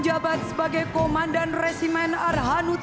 lulusan akademi militer tahun dua ribu satu